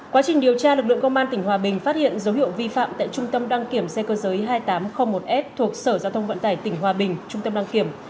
quá trình điều tra lực lượng công an tỉnh hòa bình phát hiện dấu hiệu vi phạm tại trung tâm đăng kiểm xe cơ giới hai nghìn tám trăm linh một s thuộc sở giao thông vận tải tỉnh hòa bình trung tâm đăng kiểm